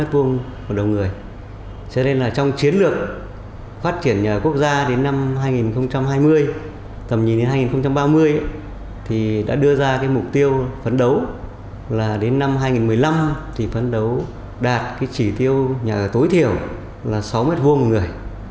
và đến năm hai nghìn một mươi năm thì phấn đấu đạt cái chỉ tiêu nhà ở tối thiểu là sáu m hai một người